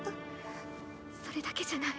それだけじゃない。